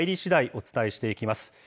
お伝えしていきます。